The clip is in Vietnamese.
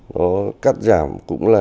nó cắt giảm cũng là